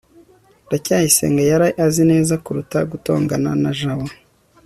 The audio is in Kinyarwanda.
ndacyayisenga yari azi neza kuruta gutongana na jabo